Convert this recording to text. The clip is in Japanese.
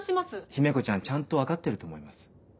姫子ちゃんちゃんと分かってると思います。